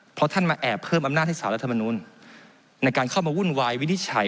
เพราะท่านมาแอบเพิ่มอำนาจให้สารรัฐมนุนในการเข้ามาวุ่นวายวินิจฉัย